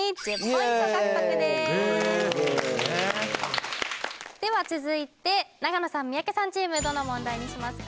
イエーイでは続いて長野さん三宅さんチームどの問題にしますか？